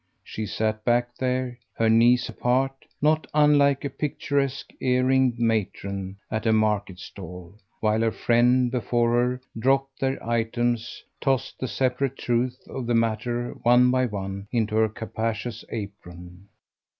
She sat back there, her knees apart, not unlike a picturesque ear ringed matron at a market stall; while her friend, before her, dropped their items, tossed the separate truths of the matter one by one, into her capacious apron.